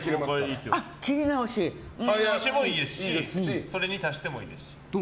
切り直してもいいですしそれに足してもいいですし。